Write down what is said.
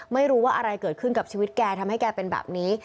ไม่รู้ว่าอะไรเกิดขึ้นกับชีวิตแกทำให้แกเป็นแบบนี้